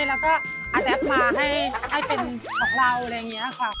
แล้วก็อาแดปมาให้เป็นของเราอะไรอย่างนี้ค่ะ